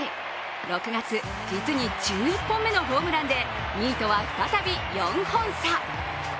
６月、実に１１本目のホームランで２位とは再び４本差。